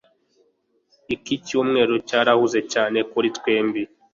iki cyumweru cyarahuze cyane kuri twembi